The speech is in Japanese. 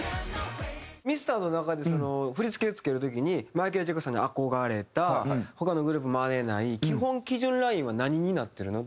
ミスターの中で振付を付ける時に「マイケル・ジャクソンに憧れた」「他のグループマネない」基本基準ラインは何になってるの？